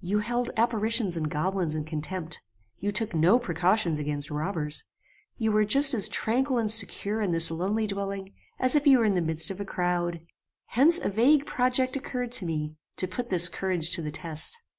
You held apparitions and goblins in contempt. You took no precautions against robbers. You were just as tranquil and secure in this lonely dwelling, as if you were in the midst of a crowd. Hence a vague project occurred to me, to put this courage to the test.